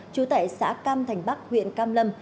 trú tại xã cam thành bắc huyện cam lâm